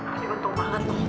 tapi untung banget loh